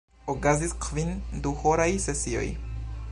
Okazis kvin duhoraj sesioj.